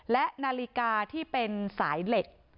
และนาฬิกาที่เป็นสายเหล็ก